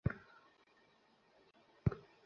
তুই করেছিস কখনো?